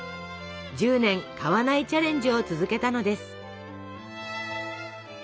１０年買わないチャレンジを続けたのです。